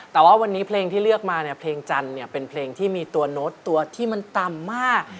แต่ว่าวันนี้เพลงที่เลือกมาเนี่ยเพลงจันทร์เนี่ยเป็นเพลงที่มีตัวโน้ตตัวที่มันต่ำมาก